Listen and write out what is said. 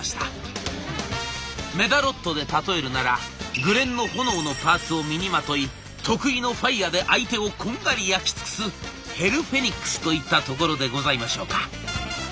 メダロットで例えるなら紅蓮の炎のパーツを身にまとい得意のファイアで相手をこんがり焼き尽くすヘルフェニックスといったところでございましょうか。